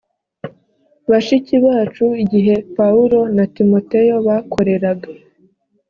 bashiki bacu igihe pawulo na timoteyo bakoreraga